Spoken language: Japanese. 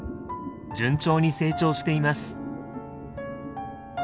順調に成長しています。